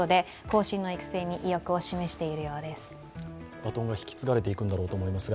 バトンが引き継がれていくんだろうと思いますが、